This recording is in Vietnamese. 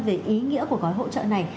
về ý nghĩa của gói hỗ trợ này